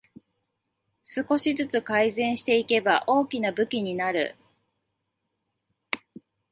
少しずつ改善していけば大きな武器になる